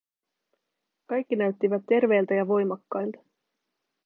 Kaikki näyttivät terveiltä ja voimakkailta.